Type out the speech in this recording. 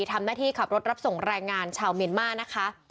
ทำหน้าที่ขับรถรับส่งแรงงานชาวเมียนมานะคะ